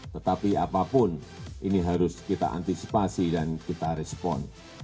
tetapi apapun ini harus kita antisipasi dan kita respon